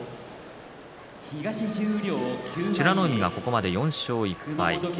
美ノ海、ここまで４勝１敗。